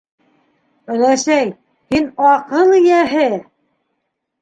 Өләсәй, һин - аҡыл эйәһе!